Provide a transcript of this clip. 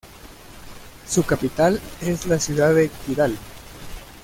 Su capital es la ciudad de Kidal.